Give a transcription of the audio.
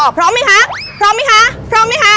พร้อมไหมคะพร้อมไหมคะพร้อมไหมคะ